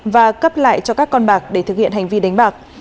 và cấp lại cho các con bạc để thực hiện hành vi đánh bạc